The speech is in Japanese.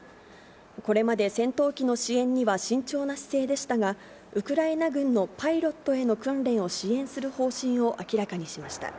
これまで戦闘機の支援には慎重な姿勢でしたが、ウクライナ軍のパイロットへの訓練を支援する方針を明らかにしました。